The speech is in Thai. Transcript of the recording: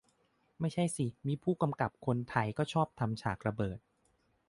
ไม่ใช่สิ มีผู้กำกับคนไทยก็ชอบทำฉากระเบิด